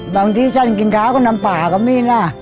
บางทีฉันกินข้าวกับน้ำป่าก็มีล่ะ